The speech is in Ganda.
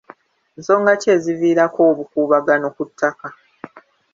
Nsonga ki eziviirako obukuubagano ku ttaka?